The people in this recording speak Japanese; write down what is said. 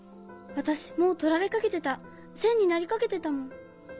私もう取られかけてた千になりかけてたもん。